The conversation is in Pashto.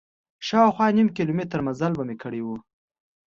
شاوخوا نیم کیلومتر مزل به مې کړی و.